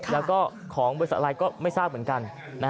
แล้วก็ของบริษัทอะไรก็ไม่ทราบเหมือนกัน